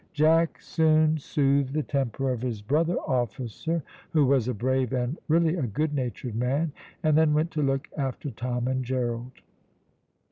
Jack soon soothed the temper of his brother officer, who was a brave and really a good natured man, and then went to look after Tom and Gerald.